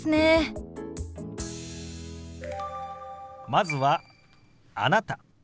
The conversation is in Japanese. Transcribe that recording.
まずは「あなた」。